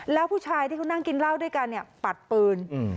แล้วผู้ชายที่เขานั่งกินเหล้าด้วยกันเนี่ยปัดปืน